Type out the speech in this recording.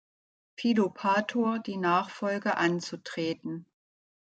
Philopator die Nachfolge anzutreten.